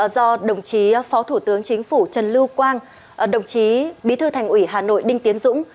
do đồng chí phó thủ tướng chính phủ trần lưu quang đồng chí bí thư thành ủy hà nội đinh tiến dũng